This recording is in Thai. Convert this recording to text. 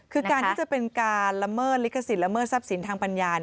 คือการที่จะเป็นการละเมิดลิขสิทธิละเมิดทรัพย์สินทางปัญญา